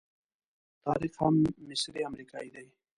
طارق هم مصری امریکایي دی.